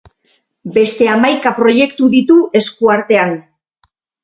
Beste hamaika proiektu ditu esku artean.